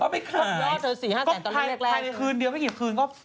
ภายในคืนเดียวไม่กี่คืนก็